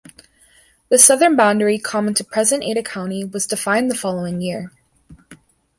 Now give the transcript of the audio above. The southern boundary common to present Ada County was defined the following year.